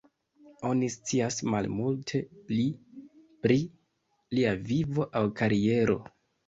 Oni scias malmulte pli pri lia vivo aŭ kariero.